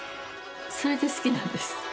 それで好きなんです。